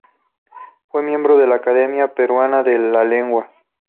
Fue miembro de la Academia Peruana de la Lengua.